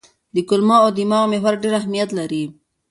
د کولمو او دماغ محور ډېر اهمیت لري.